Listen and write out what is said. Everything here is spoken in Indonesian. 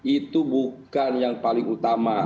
itu bukan yang paling utama